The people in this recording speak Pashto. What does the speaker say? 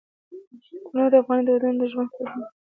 تنور د افغاني دودونو ژوندي ساتونکی دی